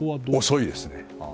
遅いですね。